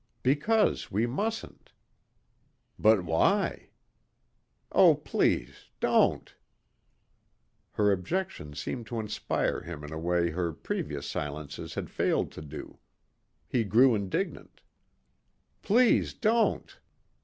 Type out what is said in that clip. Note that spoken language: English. "Because, we mustn't." "But why?" "Oh please ... don't!" Her objection seemed to inspire him in a way her previous silences had failed to do. He grew indignant. "Please, don't!"